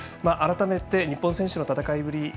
改めて、日本選手の戦いぶり